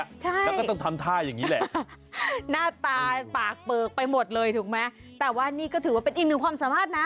ใช่แล้วก็ต้องทำท่าอย่างนี้แหละหน้าตาปากเปลือกไปหมดเลยถูกไหมแต่ว่านี่ก็ถือว่าเป็นอีกหนึ่งความสามารถนะ